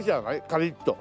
カリッと。